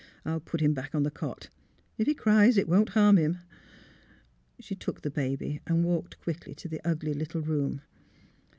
I'll put him back on the cot. If he cries, it will not harm him." She took the baby and walked quickly to the ugly little room.